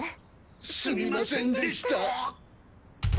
すみませんでした。